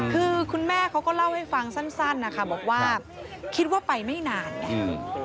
คือคุณแม่เขาก็เล่าให้ฟังสั้นนะคะบอกว่าคิดว่าไปไม่นานไง